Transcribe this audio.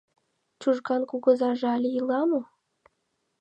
— Чужган кугызаже але ила мо?